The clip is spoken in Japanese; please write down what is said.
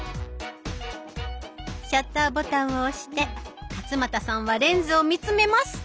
シャッターボタンを押して勝俣さんはレンズを見つめます。